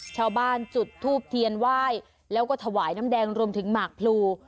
ชาวบ้านจุดทูบเทียนไหว้แล้วก็ถวายน้ำแดงรวมถึงหมากพลู